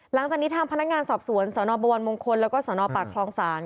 หลังจากนิทามพนักงานสอบสวนสนบะวันมงคลและสนปากฟรองศาล